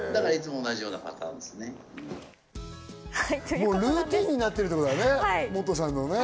もうルーティンになってるってことだね、モトさんの。